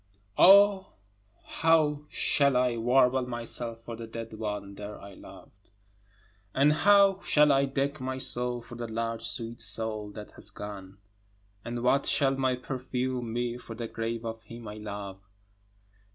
10 O how shall I warble myself for the dead one there I loved? And how shall I deck my soul for the large sweet soul that has gone? And what shall my perfume be for the grave of him I love?